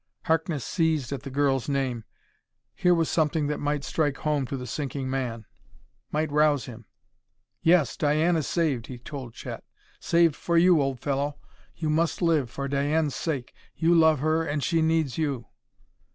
Harkness seized at the girl's name. Here was something that might strike home to the sinking man; might rouse him. "Yes, Diane is saved," he told Chet: "saved for you, old fellow. You must live for Diane's sake. You love her, and she needs you."